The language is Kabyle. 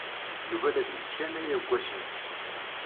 Yuba la d-yesskanay aggas-nnes.